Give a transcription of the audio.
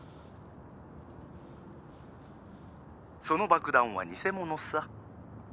その爆弾は偽物さ。